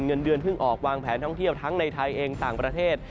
เงินเดือนเพิ่งออกวางแผนท่องเที่ยวทั้งในไทยเองต่างประเทศ